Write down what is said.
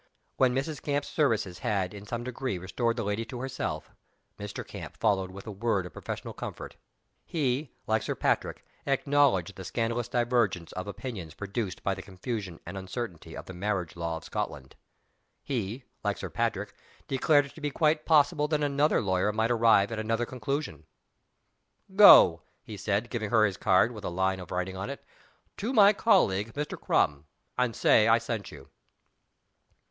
When Mrs. Camp's services had in some degree restored the lady to herself, Mr. Camp followed with a word of professional comfort. He, like Sir Patrick, acknowledged the scandalous divergence of opinions produced by the confusion and uncertainty of the marriage law of Scotland. He, like Sir Patrick, declared it to be quite possible that another lawyer might arrive at another conclusion. "Go," he said, giving her his card, with a line of writing on it, "to my colleague, Mr. Crum; and say I sent you."